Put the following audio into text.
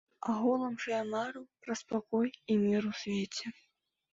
Агулам жа я мару пра спакой і мір у свеце.